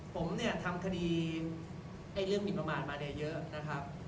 ผมเนี่ยทำคดีเรื่องหมินประมาทมาเนี่ยเยอะนะครับ